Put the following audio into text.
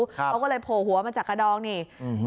เขาก็เลยโผล่หัวมาจากกระดองนี่อืม